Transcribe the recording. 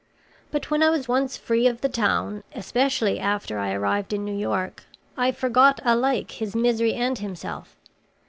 But when I was once free of the town, especially after I arrived in New York, I forgot alike his misery and himself.